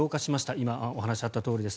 今、お話があったとおりです。